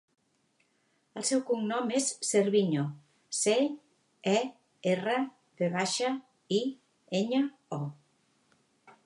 El seu cognom és Cerviño: ce, e, erra, ve baixa, i, enya, o.